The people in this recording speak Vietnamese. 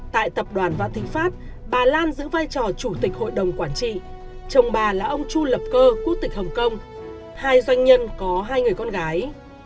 tại tập đoàn vạn thịnh pháp bà lan giữ vai trò chủ tịch hội đồng quản trị chồng bà là ông chu lập cơ quốc tịch hồng kông hai doanh nhân có hai người con gái